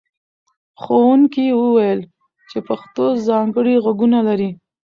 ښوونکي وویل چې پښتو ځانګړي غږونه لري.